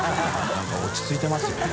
なんか落ち着いてますよね。